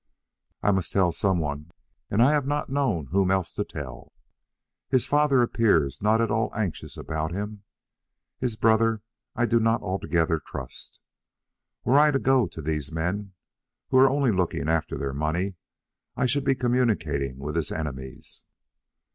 "I must tell some one, and I have not known whom else to tell. His father appears not at all anxious about him. His brother I do not altogether trust. Were I to go to these men, who are only looking after their money, I should be communicating with his enemies.